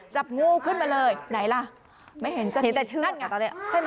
จับงูขึ้นมาเลยไหนล่ะไม่เห็นสักทีนั่นไงใช่ไหม